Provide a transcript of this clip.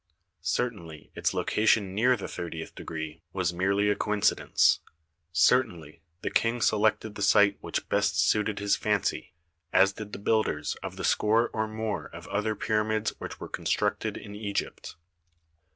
Cer tainly its location near the thirtieth degree was merely a coincidence; certainly the King selected the site which best suited his fancy, as did the THE PYRAMID OF KHUFU 29 builders of the score or more of other pyramids which were constructed in Egypt.